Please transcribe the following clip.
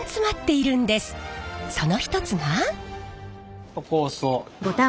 その一つが。